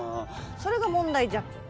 それが問題じゃって。